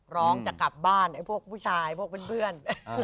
ร้องจะกลับบ้านไอ้พวกผู้ชายพวกเพื่อน